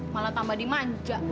malah tambah dimanja